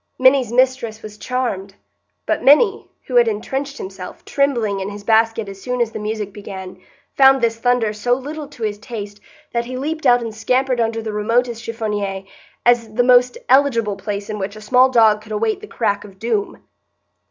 Minny's mistress was charmed; but Minny, who had intrenched himself, trembling, in his basket as soon as the music began, found this thunder so little to his taste that he leaped out and scampered under the remotest chiffonnier, as the most eligible place in which a small dog could await the crack of doom.